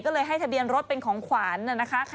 ก็เลยให้ทะเบียนรถเป็นของขวานนะคะ